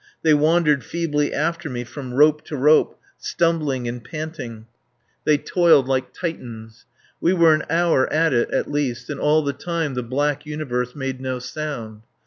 They wandered feebly after me from rope to rope, stumbling and panting. They toiled like Titans. We were half an hour at it at least, and all the time the black universe made no sound.